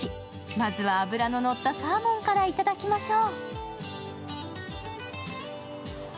まずは脂ののったサーモンから頂きましょう。